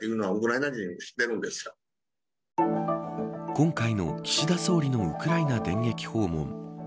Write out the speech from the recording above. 今回の岸田総理のウクライナ電撃訪問。